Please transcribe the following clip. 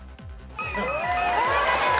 正解です！